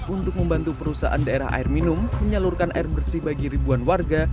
untuk membantu perusahaan daerah air minum menyalurkan air bersih bagi ribuan warga